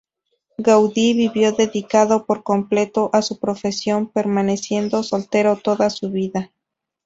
Gaudí vivió dedicado por completo a su profesión, permaneciendo soltero toda su vida.